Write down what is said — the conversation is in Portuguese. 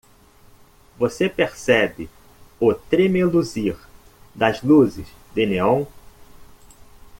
Você percebe o tremeluzir das luzes de néon?